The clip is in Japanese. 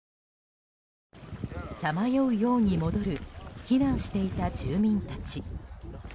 さまようように戻る避難していた住民たち。